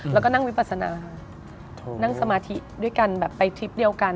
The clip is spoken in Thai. แล้วก็นั่งวิปัสนานั่งสมาธิด้วยกันแบบไปทริปเดียวกัน